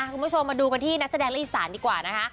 คุณผู้ชมมาดูกันที่นักแสดงและอีสานดีกว่านะคะ